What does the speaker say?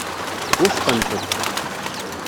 Wufqent-t.